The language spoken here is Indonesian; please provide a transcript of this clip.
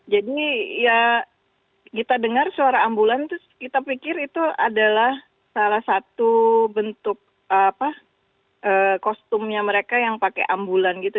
jadi ya kita dengar suara ambulans kita pikir itu adalah salah satu bentuk apa kostumnya mereka yang pakai ambulans gitu